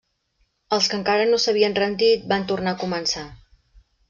Els que encara no s'havien rendit van tornar a començar.